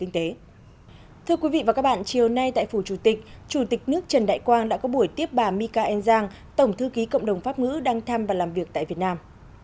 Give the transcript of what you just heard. thưa quý vị và các bạn chiều nay tại phủ chủ tịch chủ tịch nước trần đại quang đã có buổi tiếp bà mika enzang tổng thư ký cộng đồng pháp ngữ đang thăm và làm việc tại việt nam